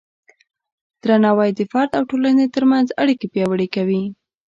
درناوی د فرد او ټولنې ترمنځ اړیکې پیاوړې کوي.